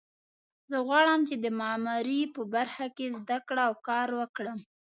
زه غواړم چې د معماري په برخه کې زده کړه او کار وکړم